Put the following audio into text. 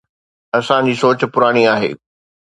اسان جي سوچ پراڻي آهي.